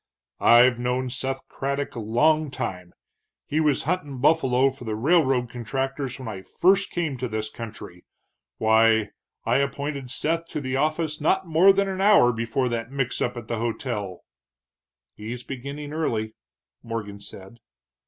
"I've known Seth Craddock a long time; he was huntin' buffalo for the railroad contractors when I first came to this country. Why, I appointed Seth to the office not more than an hour before that mix up at the hotel." "He's beginning early," Morgan said.